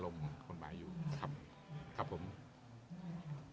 โดยพรรคใหญ่พยายามที่จะลดดันศูนย์ข้อกฎหมาย